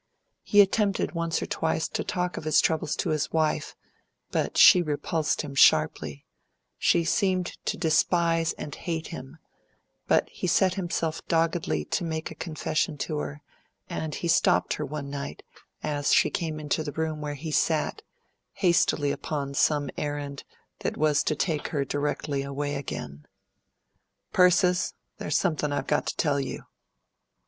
He attempted once or twice to talk of his troubles to his wife, but she repulsed him sharply; she seemed to despise and hate him; but he set himself doggedly to make a confession to her, and he stopped her one night, as she came into the room where he sat hastily upon some errand that was to take her directly away again. "Persis, there's something I've got to tell you."